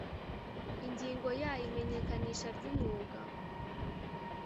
ingingo ya imenyekanisha ry umwuga